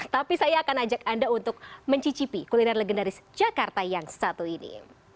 tapi saya akan ajak anda untuk mencicipi kuliner legendaris jakarta yang satu ini